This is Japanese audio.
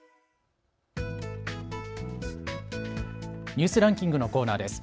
ニュースランキングのコーナーです。